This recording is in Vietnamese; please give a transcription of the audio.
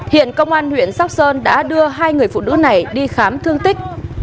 hiện công an huyện sóc sơn đã đưa hai người phụ nữ này đi khám thương tích